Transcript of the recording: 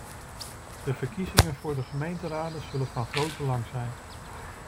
De verkiezingen voor de gemeenteraden zullen van groot belang zijn.